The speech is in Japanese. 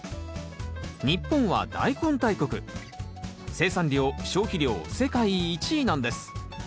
生産量消費量世界１位なんです。